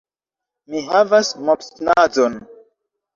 Mi havas mopsnazon.